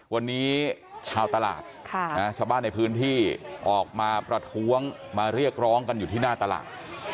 วันนี้ชาวตลาดชาวบ้านในพื้นที่ออกมาประท้วงมาเรียกร้องกันอยู่ที่หน้าตลาด